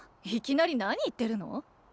いきなり何言ってるの？